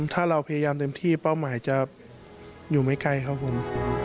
ถ้าเราพยายามเต็มที่เป้าหมายจะอยู่ไม่ไกลครับผม